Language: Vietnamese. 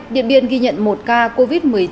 điện biên ghi nhận một ca covid một mươi chín